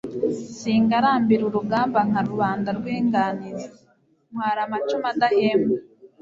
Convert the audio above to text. Singarambira urugamba nka rubanda rw'inganizi, Ntwara amacumu adahemba.